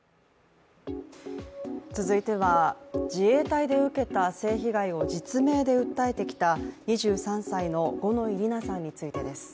続いては自衛隊で受けた性被害を実名で訴えてきた２３歳の五ノ井里奈さんについてです。